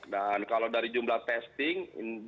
dan kalau dari jumlah testing